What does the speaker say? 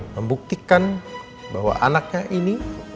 diktikan bahwa anaknya ini